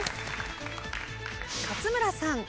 勝村さん。